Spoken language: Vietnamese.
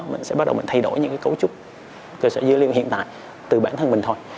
mình sẽ bắt đầu mình thay đổi những cấu trúc cơ sở dữ liệu hiện tại từ bản thân mình thôi